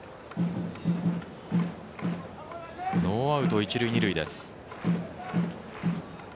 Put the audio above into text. ノーアウト１塁２塁です。